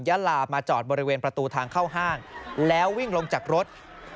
ยาลามาจอดบริเวณประตูทางเข้าห้างแล้ววิ่งลงจากรถ